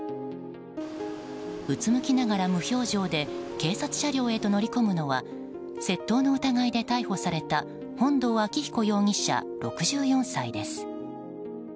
うつむきながら無表情で警察車両へと乗り込むのは窃盗の疑いで逮捕された本堂明彦容疑者、６４歳です。